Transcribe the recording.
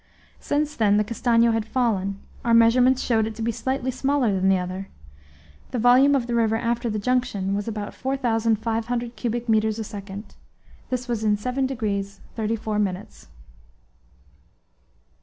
Since then the Castanho had fallen; our measurements showed it to be slightly smaller than the other; the volume of the river after the junction was about 4,500 cubic metres a second. This was in 7 degrees 34 minutes.